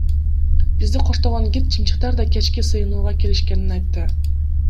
Бизди коштогон гид чымчыктар да кечки сыйынууга келишкенин айтты.